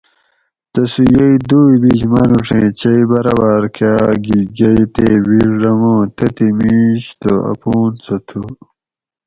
تسوں یئی دوئی بِیش مانوڛیں چئی برابر کاۤ گھی گیئے تے بِڛدمو تتھی مِیش تہ اپانسہ تھو